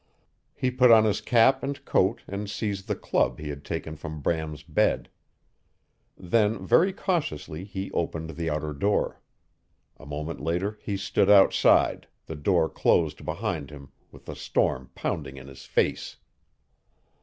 He put on his cap and coat and seized the club he had taken from Bram's bed. Then very cautiously he opened the outer door. A moment later he stood outside, the door closed behind him, with the storm pounding in his face.